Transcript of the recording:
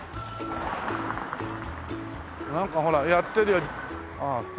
なんかほらやってる。